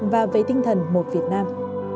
và với tinh thần một việt nam